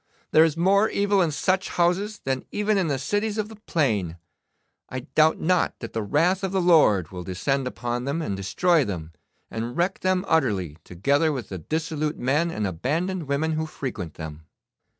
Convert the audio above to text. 'There is more evil in such houses than even in the cities of the plain. I doubt not that the wrath of the Lord will descend upon them, and destroy them, and wreck them utterly, together with the dissolute men and abandoned women who frequent them.